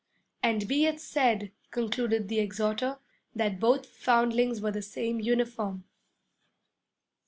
'And be it said,' concluded the exhorter, 'that both foundlings wore the same uniform.'